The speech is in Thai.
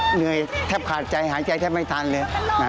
เหนื่อยแทบขาดใจหายใจแทบไม่ทันเลย